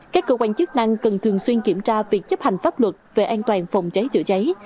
các cơ quan chức năng cần thường xuyên kiểm tra việc chấp hành pháp luật về an toàn phòng cháy chữa cháy